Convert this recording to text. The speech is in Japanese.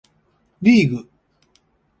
リーグ